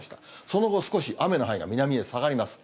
その後、少し雨の範囲が南へ下がります。